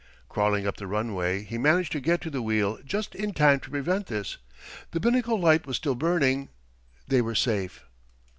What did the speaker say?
Crawling up the runway, he managed to get to the wheel just in time to prevent this. The binnacle light was still burning. They were safe!